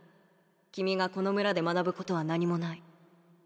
君がこの村で学ぶことは何もない